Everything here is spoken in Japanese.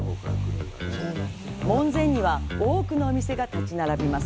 門前には多くのお店が立ち並びます。